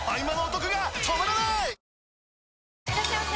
いらっしゃいませ！